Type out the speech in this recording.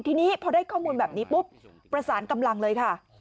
ทีนี้พอได้ข้อมูลแบบนี้ปุ๊บประสานกำลังเลยค่ะ